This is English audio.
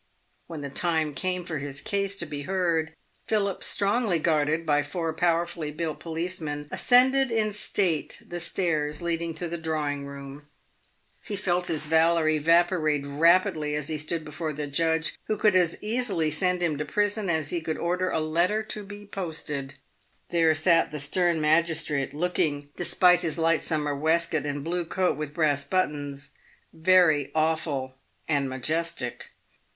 When the time came for his case to be heard, Philip, strongly guarded by four powerfully built policemen, ascended in state the stairs leading to the drawing room. He felt his valour evaporate rapidly as he stood before the judge who could as easily send him to prison as he could order a letter to be posted. There sat the stern magistrate, looking, despite his light summer waistcoat and blue coat with brass buttons, very awful and majestic.